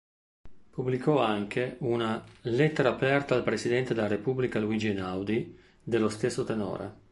Pubblicò anche una "Lettera aperta al Presidente della Repubblica Luigi Einaudi" dello stesso tenore.